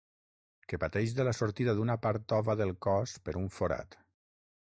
Que pateix de la sortida d'una part tova del cos per un forat.